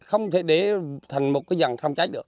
không thể để thành một